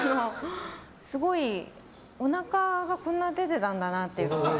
すごいおなかがこんな出てたんだなって。